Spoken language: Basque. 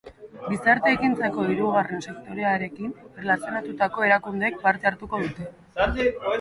Gizarte-ekintzako hirrugarren sektorearekin erlazionatutako erakundeek parte hartuko dute.